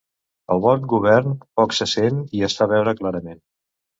El bon govern poc se sent i es fa veure clarament.